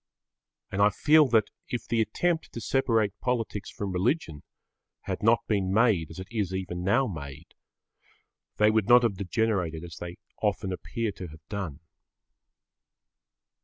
And I feel that, if the attempt to separate politics from religion had not been made as it is even now made, they would not have degenerated as they often appear to have done.